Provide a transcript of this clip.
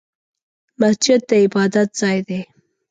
مسجد د عبادت ځای دی